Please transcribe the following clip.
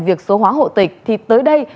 việc số hóa hộ tịch thì tới đây